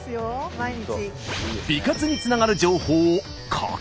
毎日。